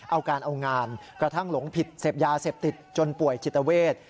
เอาการเอางานกระทั่งหลงผิดเสพยาเสพติดจนป่วยจิตเวท